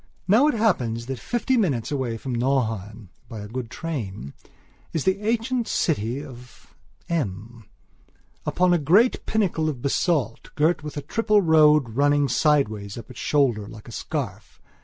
Now it happens that fifty minutes away from Nauheim, by a good train, is the ancient city of M, upon a great pinnacle of basalt, girt with a triple road running sideways up its shoulder like a scarf.